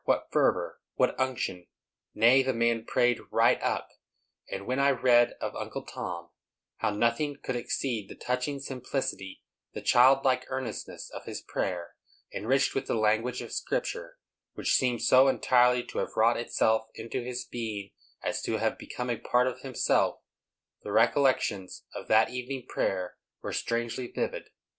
what fervor, what unction,—nay, the man "prayed right up;" and when I read of Uncle Tom, how "nothing could exceed the touching simplicity, the childlike earnestness, of his prayer, enriched with the language of Scripture, which seemed so entirely to have wrought itself into his being as to have become a part of himself," the recollections of that evening prayer were strangely vivid.